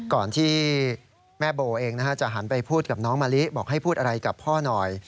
ก่อนที่แม่โบเองจะหันไปพูดกับน้องมะลิบอกให้พูดอะไรกับพ่อหน่อย